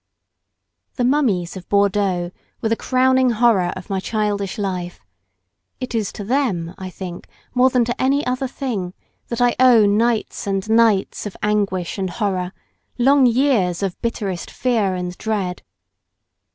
The mummies of Bordeaux were the crowning horror of my childish life; it is to them, I think, more than to any other thing, that I owe nights and nights of anguish and horror, long years of bitterest fear and dread.